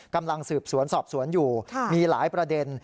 กำลังสืบสวนสอบสวนอยู่มีหลายประเด็น